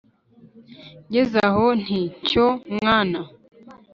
ngeze aho nti: “cyo mwana